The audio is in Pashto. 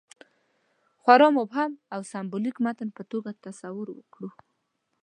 خورا مبهم او سېمبولیک متن په توګه تصور کړو.